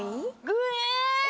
ぐえ